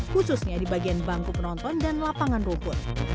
khususnya di bagian bangku penonton dan lapangan rumput